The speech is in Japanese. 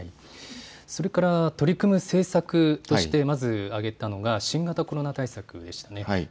それから取り組む政策として、まず挙げたのが、新型コロナ対策でしたね。